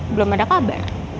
belum ada kabar